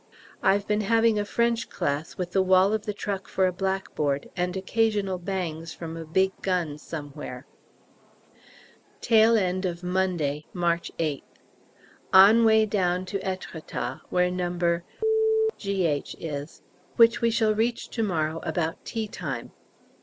I've been having a French class, with the wall of the truck for a blackboard, and occasional bangs from a big gun somewhere. Tail end of Monday, March 8th. On way down to Êtretat, where No. G.H. is, which we shall reach to morrow about tea time.